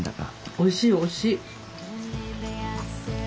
おいしいおいしい。